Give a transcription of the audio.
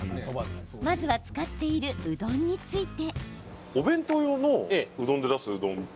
まずは使っているうどんについて。